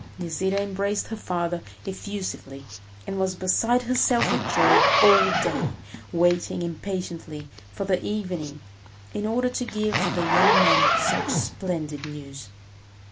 Nisida embraced her father effusively, and was beside herself with joy all day, waiting impatiently for the evening in order to give the young man such splendid news.